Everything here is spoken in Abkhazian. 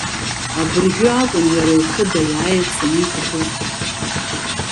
Абыржәы акәын иара ихы даиааирц аниҭахызгьы.